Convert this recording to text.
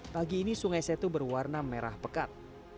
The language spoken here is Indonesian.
pagi ini sungai setu berwarna merah pekat